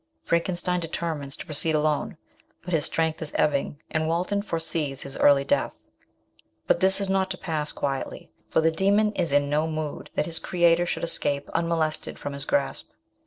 Frankenstein determines to proceed alone; but his strength is ebbing, and Walton foresees his early death. But this is not to pass quietly, for the demon is in no mood that his creator should escape un molested from his grasp.